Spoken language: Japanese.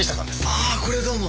ああこれはどうも。